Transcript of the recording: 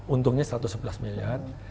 untungnya satu ratus sebelas miliar